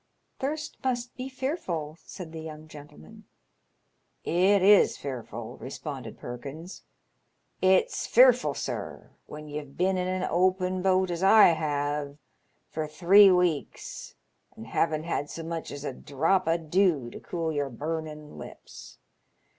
" Thirst must be fearful," said the young gentleman. " It is fearful," responded Perkins. " It's fearful, sir, when ye've been in an open boat, as I have, for three weeks, and havn't had so much as a drop o' dew to cool your burnin' lips.